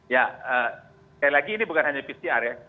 ya sekali lagi ini bukan hanya pcr ya